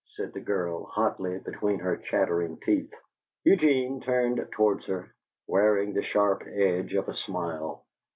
said the girl, hotly, between her chattering teeth. Eugene turned towards her, wearing the sharp edge of a smile.